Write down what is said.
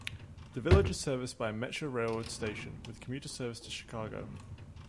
The village is serviced by a Metra railroad station with commuter service to Chicago.